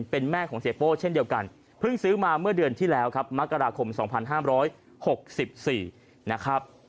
เป็นแม่ของเสียโป้เช่นเดียวกันเพิ่งซื้อมาเมื่อเดือนที่แล้วครับมกราคม๒๕๖๔นะครับ